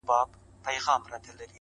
• غواړم چي ديدن د ښكلو وكړمـــه؛